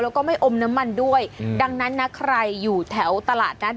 แล้วก็ไม่อมน้ำมันด้วยดังนั้นนะใครอยู่แถวตลาดนั้น